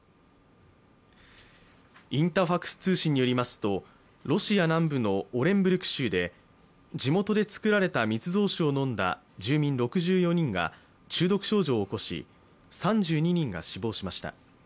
インタファクス通信によりますとロシア南部のオレンブルク州で地元で造られた密造酒を飲んだ住人６４人が中毒症状を起こし３２人が死亡しました。